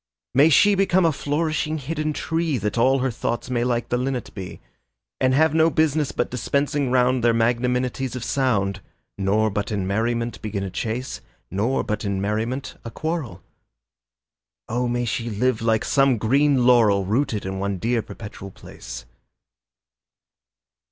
May she become a flourishing hidden tree That all her thoughts may like the linnet be, And have no business but dispensing round Their magnanimities of sound, Nor but in merriment begin a chase, Nor but in merriment a quarrel. Oh, may she live like some green laurel Rooted in one dear perpetual place.